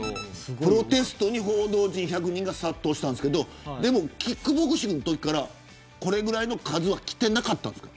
プロテストに報道陣１００人が殺到したんですけどキックボクシングのときからこれぐらいの数は来ていなかったんですか。